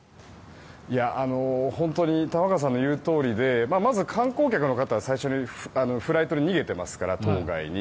本当に玉川さんの言うとおりでまず観光客の方、最初にフライトで逃げていますから島外に。